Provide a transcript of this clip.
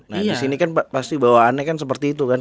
nah disini kan pasti bawaannya kan seperti itu kan